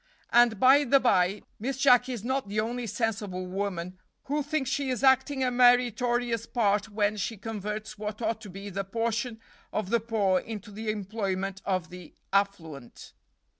And, by the by, Miss Jacky is not the only sensible woman who thinks she is acting a meritorious part when she converts what ought to be the portion of the poor into the employment of the affluent.